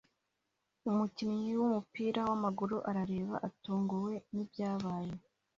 Umukinnyi wumupira wamaguru arareba atunguwe nibyabaye